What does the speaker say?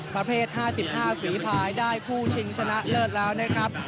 ประเภท๕๕ฝีภายได้คู่ชิงชนะเลิศแล้วนะครับ